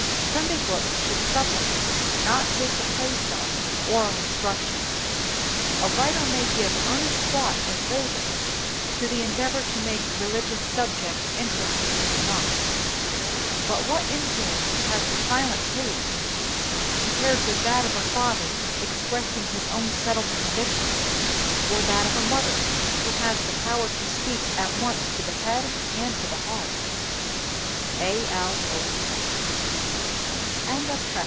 Sunday books should supplement, not take the place of, oral instruction. A writer may give earnest thought and labor to the endeavor to make religious subjects interesting to the young; but what influence has the silent page compared with that of a father expressing his own settled convictions, or that of a mother who has the power to speak at once to the head and the heart? A. L. O. E.